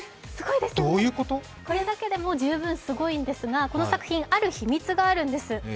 これだけでも十分すごいんですが、この作品、ある秘密があるんです。